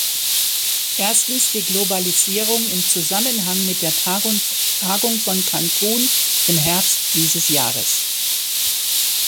Erstens die Globalisierung im Zusammenhang mit der Tagung von Cancun im Herbst dieses Jahres.